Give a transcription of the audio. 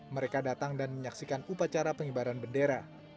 mereka datang dan menyaksikan upacara pengibaran bendera